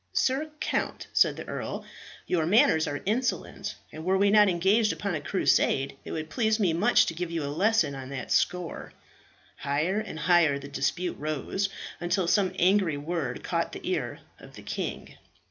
"Sir count," said the earl, "your manners are insolent, and were we not engaged upon a Crusade, it would please me much to give you a lesson on that score." Higher and higher the dispute rose, until some angry word caught the ear of the king.